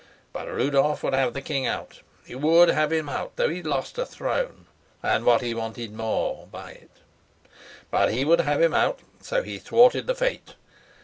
But Rudolf would have the king out. He would have him out, though he lost a throne and what he wanted more by it. But he would have him out. So he thwarted the fate.